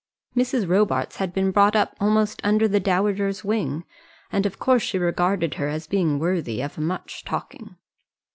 Mrs. Robarts had been brought up almost under the dowager's wing, and of course she regarded her as being worthy of much talking.